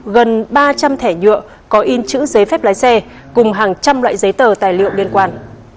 gần ba trăm linh thẻ nhựa có in chữ giấy phép lái xe cùng hàng trăm loại giấy tờ tài liệu liên quan